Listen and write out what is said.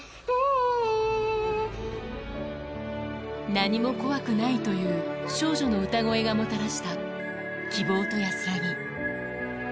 何も怖くないという、少女の歌声がもたらした希望と安らぎ。